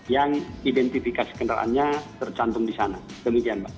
yang identifikasi kendaraannya tercantum di sana